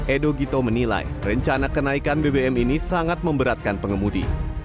edo gito menilai rencana kenaikan bbm ini sangat memberatkan pengemudi